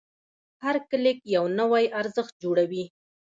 هر کلیک یو نوی ارزښت جوړوي.